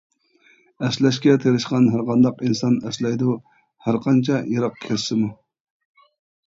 ئەسلەشكە تىرىشقان ھەرقانداق ئىنسان، ئەسلەيدۇ ھەرقانچە يىراق كەتسىمۇ.